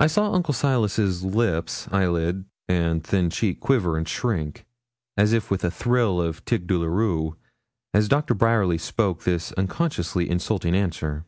I saw Uncle Silas's lip, eyelid, and thin cheek quiver and shrink, as if with a thrill of tic douloureux, as Doctor Bryerly spoke this unconsciously insulting answer.